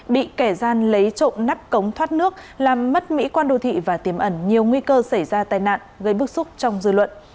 bị kẻ gian lấy trộm nắp cống thoát nước làm mất mỹ quan đô thị và tiềm ẩn nhiều nguy cơ xảy ra tai nạn gây bức xúc trong dư luận